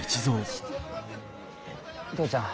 父ちゃん。